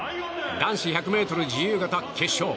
男子１００ｍ自由形決勝。